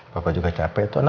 papa juga capek